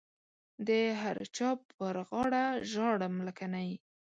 د هر چا پر غاړه ژاړم لکه نی.